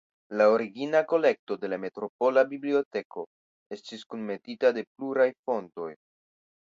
La origina kolekto de la "metropola biblioteko" estis kunmetita de pluraj fontoj.